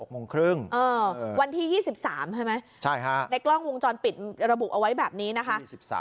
วันที่๒๓ใช่ไหมในกล้องวงจรปิดระบุเอาไว้แบบนี้นะคะ